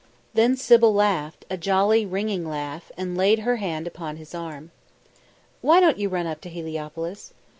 Then Sybil laughed, a jolly, ringing laugh, and laid her hand upon his arm. "Why don't you run up to Heliopolis?"